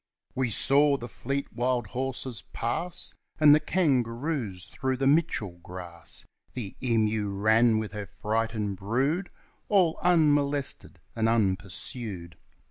We saw the fleet wild horses pass, And the kangaroos through the Mitchell grass, The emu ran with her frightened brood All unmolested and unpursued.